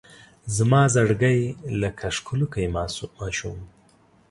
زما زړګی لکه ښکلوکی ماشوم